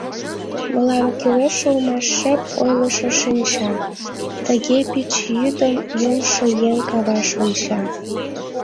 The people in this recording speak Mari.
Мылам кӱлеш улмаш шып ойлышо шинча — Тыге пич йӱдым йомшо еҥ каваш онча.